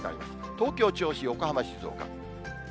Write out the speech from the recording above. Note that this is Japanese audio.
東京、銚子、横浜、静岡。